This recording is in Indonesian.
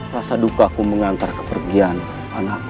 rasa dukaku mengantar kepergian ke depan aku